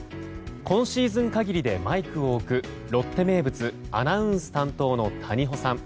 今シーズン限りでマイクを置くロッテ名物アナウンス担当の谷保さん。